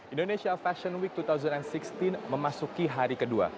indonesia fashion week dua ribu enam belas memasuki hari kedua